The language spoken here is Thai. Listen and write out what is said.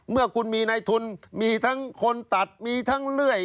เมื่อคุณมีในทุนมีทั้งคนตัดมีทั้งเลื่อย